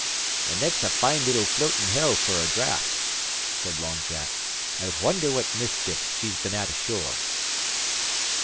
"An' that's a fine little floatin' hell fer her draught," said Long Jack. "I wondher what mischief he's been at ashore."